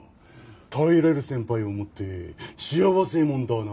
頼れる先輩を持って幸せ者だな！